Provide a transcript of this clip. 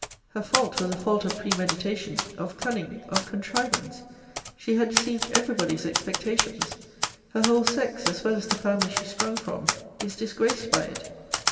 Her fault was a fault of premeditation, of cunning, of contrivance. She had deceived every body's expectations. Her whole sex, as well as the family she sprung from, is disgraced by it.